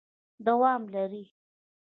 دوام لري ...